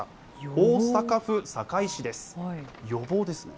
大阪府堺市です。